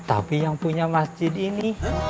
tapi yang punya masjid ini